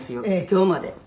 今日まで。